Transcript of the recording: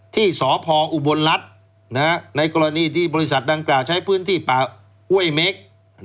ที่สพออุบลรัฐในกรณีที่บริษัทดังกล่าวใช้พื้นที่ป่าห้วยเม็ก